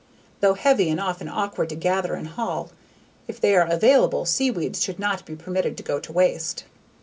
Though heavy and often awkward to gather and haul, if they are available, seaweeds should not be permitted to go to waste.